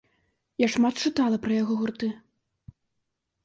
Я шмат чытала пра яго гурты.